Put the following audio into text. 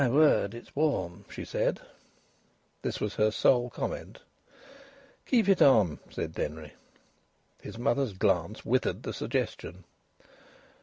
"My word it's warm!" she said. This was her sole comment. "Keep it on," said Denry. His mother's glance withered the suggestion.